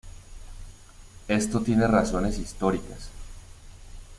Esto tiene razones históricas.